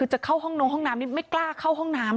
จะพาเข้าน้ำไม่กล้าเข้าห้องน้ำเลยนะ